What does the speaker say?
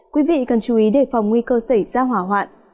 quý vị cần chú ý đề phòng nguy cơ xảy ra hỏa hoạn